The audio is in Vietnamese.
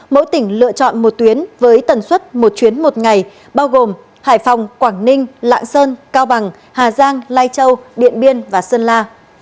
mỗi tỉnh lựa chọn một tuyến với tần suất một chuyến một ngày bao gồm hải phòng quảng ninh lạng sơn cao bằng hà giang lai châu điện biên và sơn la